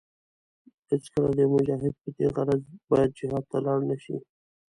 هېڅکله يو مجاهد په دې غرض باید جهاد ته لاړ نشي.